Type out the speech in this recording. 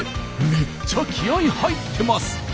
めっちゃ気合い入ってます！